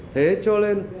thế cho lên